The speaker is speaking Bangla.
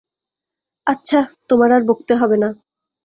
আচ্ছা, তোমার আর বকতে হবে না।